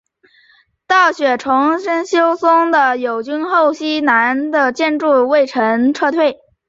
道雪重整休松的友军后往西南转进筑后山隈城撤退。